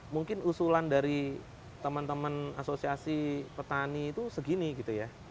mungkin usulan dari teman teman asosiasi petani itu segini gitu ya